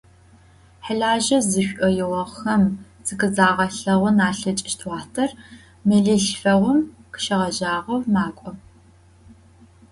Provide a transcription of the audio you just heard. Хэлажьэ зышӏоигъохэм зыкъызагъэлъэгъон алъэкӏыщт уахътэр мэлылъфэгъум къыщегъэжьагъэу макӏо.